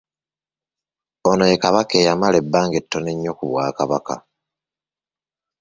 Ono ye Kabaka eyamala ebbanga ettono ennyo ku Bwakabaka.